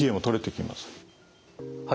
はい。